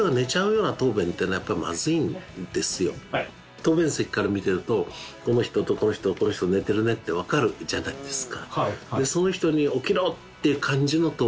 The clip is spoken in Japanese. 答弁席から見てるとこの人とこの人とこの人寝てるねってわかるじゃないですか。